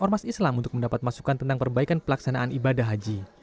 dan pemerintah islam untuk mendapat masukan tentang perbaikan pelaksanaan ibadah haji